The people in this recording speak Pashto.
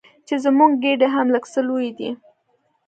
چې زموږ ګېډې هم لږ څه لویې دي.